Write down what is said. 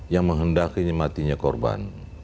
yang menghendaki matinya korban